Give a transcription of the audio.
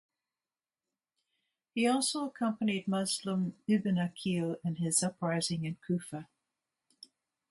He also accompanied Muslim ibn Aqil in his uprising in Kufa.